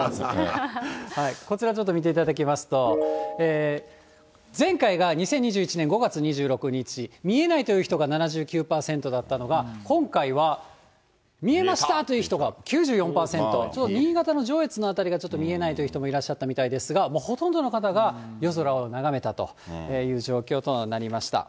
こちら、ちょっと見ていただきますと、前回が２０２１年５月２６日、見えないという人が７９％だったのが、今回は見えましたという人が９４％、新潟の上越の辺りが、ちょっと見えないという人もいらっしゃったみたいですが、ほとんどの方が夜空を眺めたという状況となりました。